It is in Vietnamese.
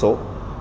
cho công nghệ số